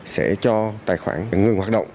sẽ cho tài khoản ngừng hoạt động